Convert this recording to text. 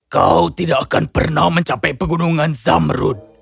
kau tidak akan pernah mencapai pegunungan zamrud